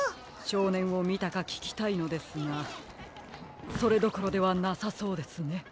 しょうねんをみたかききたいのですがそれどころではなさそうですね。